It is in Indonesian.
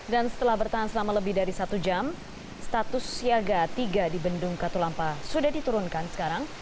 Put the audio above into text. dan setelah bertahan selama lebih dari satu jam status siaga tiga di bendung gatulampah sudah diturunkan sekarang